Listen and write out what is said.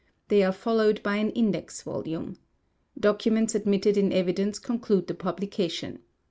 They are followed by an index volume. Documents admitted in evidence conclude the publication.